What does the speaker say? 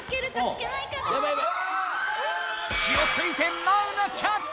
すきをついてマウナキャッチ！